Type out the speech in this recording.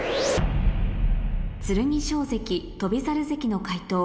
剣翔関翔猿関の解答